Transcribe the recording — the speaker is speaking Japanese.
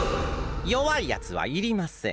よわいやつはいりません。